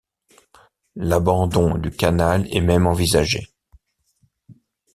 L'abandon du canal est même envisagé.